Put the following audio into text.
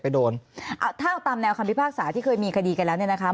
โดนอ่าถ้าเอาตามแนวคำพิพากษาที่เคยมีคดีกันแล้วเนี่ยนะคะ